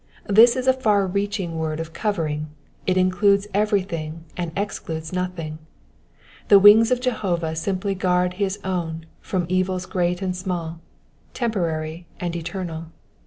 This is a far reaching vi^ord of covering : it includes every thing and excludes nothing : the wings of Jehovah amply guard his own from evils great and small, temporary and eternal.